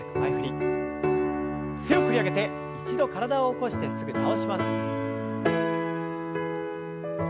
強く振り上げて一度体を起こしてすぐ倒します。